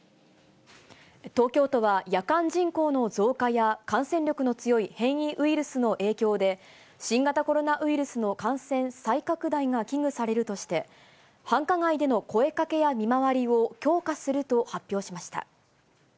東京都は夜間人口の増加や、感染力の強い変異ウイルスの影響で、新型コロナウイルスの感染再拡大が危惧されるとして、繁華街での声かけや見回りを強化すると発表しました。